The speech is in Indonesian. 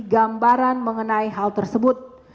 gambaran mengenai hal tersebut